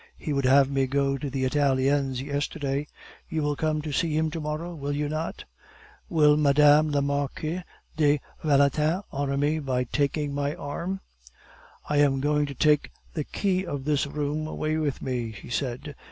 He would have me go to the Italiens yesterday. You will come to see him to morrow, will you not?" "Will Madame la Marquise de Valentin honor me by taking my arm?" "I am going to take the key of this room away with me," she said.